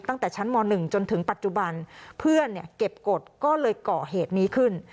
ตั้งแต่ชั้นม๑จนถึงปัจจุบันเพื่อนเนี่ยเก็บกฎก็เลยเกาะเหตุนี้ขึ้น